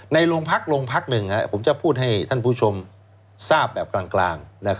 ในโรงพักโรงพักหนึ่งผมจะพูดให้ท่านผู้ชมทราบแบบกลาง